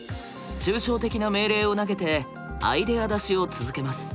抽象的な命令を投げてアイデア出しを続けます。